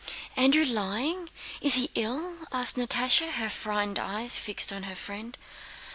"Andrew lying? Is he ill?" asked Natásha, her frightened eyes fixed on her friend.